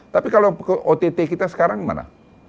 tapi kalau ke ott kita sekarang gimana